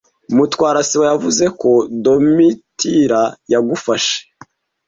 Mutwara sibo yavuze ko Domitira yagufashe.